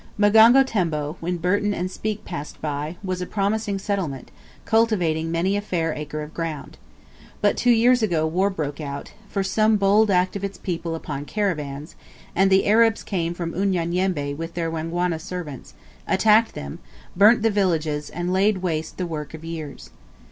Mgongo Tembo, when Burton and Speke passed by, was a promising settlement, cultivating many a fair acre of ground. But two years ago war broke out, for some bold act of its people upon caravans, and the Arabs came from Unyanyembe with their Wangwana servants, attacked them, burnt the villages, and laid waste the work of years.